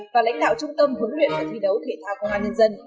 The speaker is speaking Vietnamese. và lãnh đạo trung tâm huấn luyện và thi đấu thể thao công an nhân dân